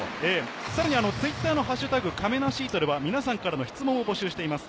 さらにＴｗｉｔｔｅｒの「＃かめなシート」では、皆さんからの質問を募集しています。